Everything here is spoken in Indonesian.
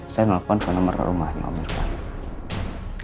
saya nelfon ke nomor rumahnya om irfan